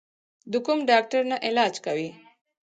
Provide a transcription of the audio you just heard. د کوم ډاکټر نه علاج کوې؟